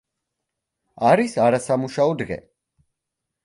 არის არასამუშაო დღე.